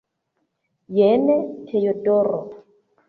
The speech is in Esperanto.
Jen Teodoro!